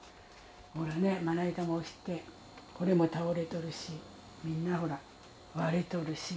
ほらね、まな板も落ちて、これも倒れとるし、みんな、ほら、割れとるし。